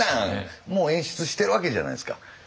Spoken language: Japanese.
もう演出してるわけじゃないですか。